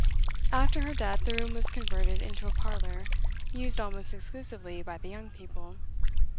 After her death the room was converted into a parlour, used almost exclusively by the young people.